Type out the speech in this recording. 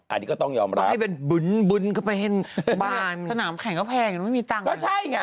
อันนี้ก็ต้องยอมรับสนามแข่งก็แพงไม่มีตังค์อ่ะมันไม่ง่ายไง